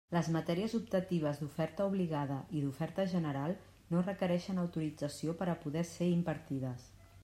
Les matèries optatives d'oferta obligada i d'oferta general no requerixen autorització per a poder ser impartides.